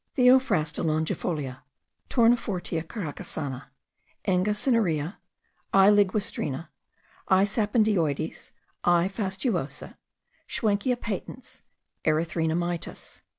Theophrasta longifolia, Tournefortia caracasana, Inga cinerea, I. ligustrina, I. sapindioides, I. fastuosa, Schwenkia patens, Erythrina mitis.